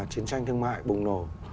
chiến tranh thương mại bùng nổ